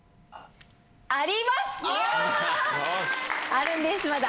あるんですまだ。